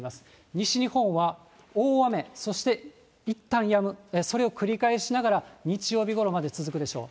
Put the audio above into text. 西日本は大雨、そしていったんやむ、それを繰り返しながら日曜日ごろまで続くでしょう。